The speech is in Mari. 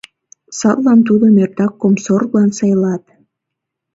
Садлан тудым эртак комсорглан сайлат.